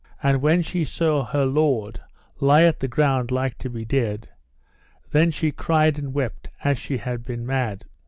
And when she saw her lord lie at the ground like to be dead, then she cried and wept as she had been mad.